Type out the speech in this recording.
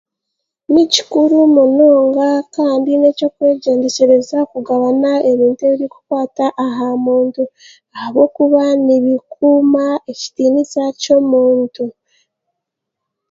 Ni kikuru munonga kandi n'ekyokwegyendesereza kugabana ebintu ebiri kukwata aha muntu ahabwokuba nibukuuma ekitiinisa ky'omuntu.